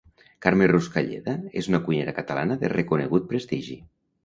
Carme Ruscalleda és una cuinera catalana de reconegut prestigi.